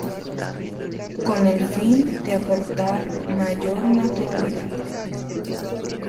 Con el fin de aportar mayor naturalidad